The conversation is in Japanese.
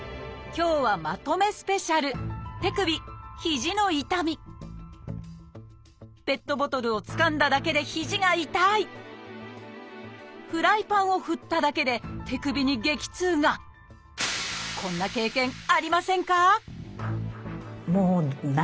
今日はまとめスペシャルペットボトルをつかんだだけでフライパンを振っただけでこんな経験ありませんか？